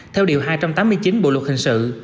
theo điều hai trăm tám mươi chín bộ luật hình sự